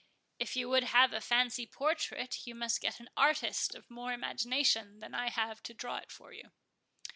—"If you would have a fancy portrait, you must get an artist of more imagination than I have to draw it for you."